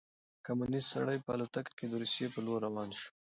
کمونیست سړی په الوتکه کې د روسيې په لور روان شو.